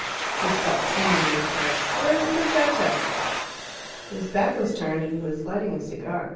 He stopped singing, and cried "Where is Perfetta?" His back was turned, and he was lighting a cigar.